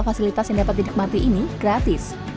fasilitas yang dapat didikmati ini gratis